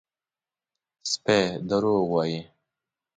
_سپی دروغ وايي!